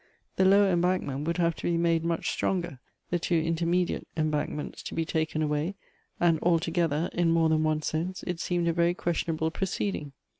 The lower embankment would have to be made much stronger, the two intermediate embankments to be taken away, and altogether, in more than one sense, it seemed a very questionable proceeding.